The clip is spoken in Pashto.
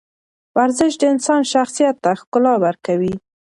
ورزش د انسان شخصیت ته ښکلا ورکوي.